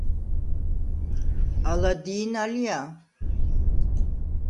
ალა დი̄ნა ლია?